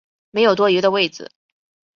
没有多余的位子